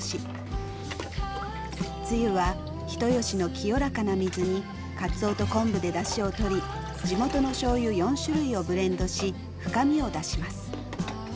つゆは人吉の清らかな水にかつおと昆布でだしを取り地元のしょうゆ４種類をブレンドし深みを出します。